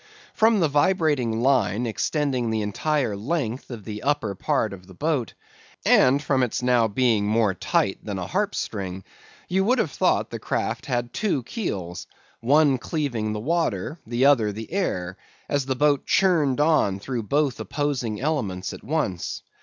From the vibrating line extending the entire length of the upper part of the boat, and from its now being more tight than a harpstring, you would have thought the craft had two keels—one cleaving the water, the other the air—as the boat churned on through both opposing elements at once.